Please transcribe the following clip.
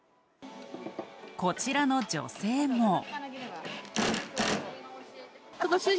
こちらの女性も。